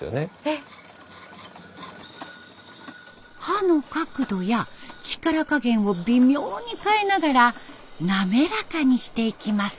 刃の角度や力加減を微妙に変えながら滑らかにしていきます。